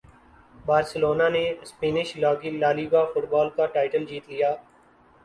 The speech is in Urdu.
بارسلونا نے اسپینش لالیگا فٹبال کا ٹائٹل جیت لیا